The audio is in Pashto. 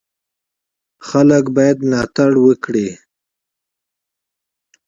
خلک باید ملاتړ وکړي.